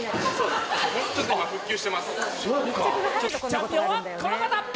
チャンピオンはこの方！